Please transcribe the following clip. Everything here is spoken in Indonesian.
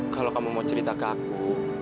kalau kamu mau cerita ke aku